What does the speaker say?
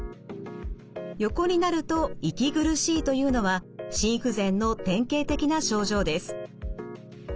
横になると息苦しいというのは心不全の典型的な症状です。